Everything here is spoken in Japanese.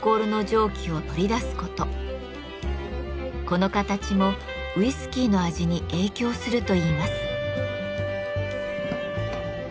この形もウイスキーの味に影響するといいます。